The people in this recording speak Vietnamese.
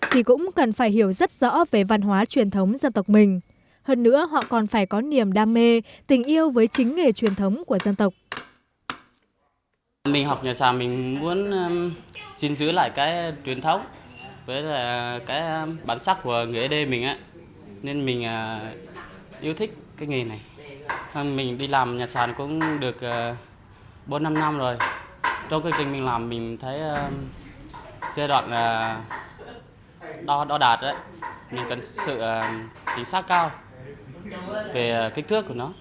trong kinh tinh mình làm mình thấy giai đoạn đo đạt mình cần sự chính xác cao về kích thước của nó